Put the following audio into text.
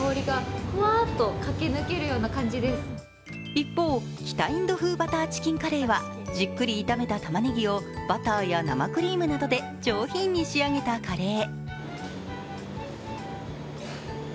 一方、北インド風バターチキンカレーはじっくり炒めたたまねぎをバターや生クリームなどで上品に仕上げたカレー。